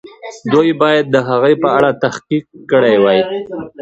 دوی باید د هغې په اړه تحقیق کړی وای.